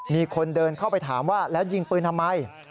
มีคนเดินเข้าไปถามว่าแล้วยิงปืนทำไม